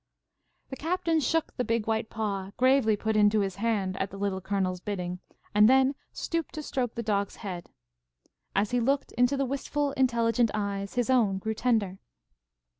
The captain shook the big white paw, gravely put into his hand at the Little Colonel's bidding, and then stooped to stroke the dog's head. As he looked into the wistful, intelligent eyes his own grew tender.